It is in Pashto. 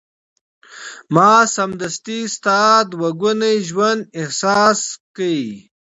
ما سمدستي ستا دوه ګونی ژوند احساس کړ.